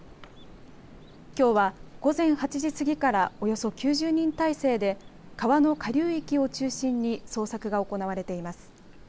きょうは午前８時過ぎからおよそ９０人態勢で川の下流域を中心に捜索が行われています。